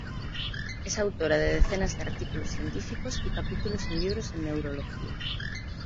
Es autora de decenas de artículos científicos y capítulos en libros de neurología.